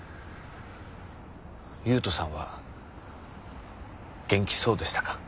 優人さんは元気そうでしたか？